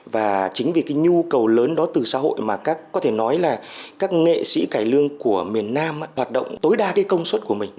và chính vì nhu cầu lớn đó từ xã hội mà các nghệ sĩ cải lương của miền nam hoạt động tối đa công suất của mình